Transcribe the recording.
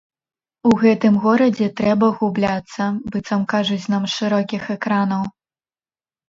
У гэтым горадзе трэба губляцца, быццам кажуць нам з шырокіх экранаў.